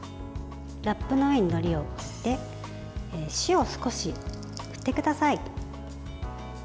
ラップの上にのりを置いて塩を少し振ってください。